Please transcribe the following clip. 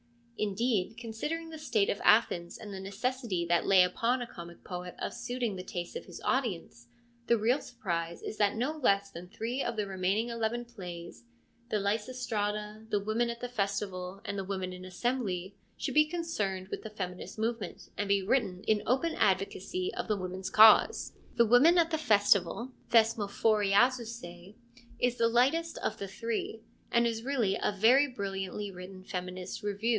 Indeed, considering the state of Athens and the necessity that lay upon a comic poet of suiting the tastes of his audience, the real surprise is that no less than three of the remaining eleven plays — the Lysistrata, the Women at the Festival, and the Women in Assembly — should be concerned with the feminist movement and be written in open advocacy of the women's cause. The Women at the Festival — Thesmophoriazusoe — is the lightest of the three, and is really a very brilliantly written feminist ' revue.'